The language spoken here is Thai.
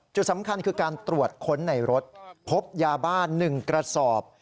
จุดสำคัญคือการตรวจค้นในรถพบยาบ้า๑กระสอบ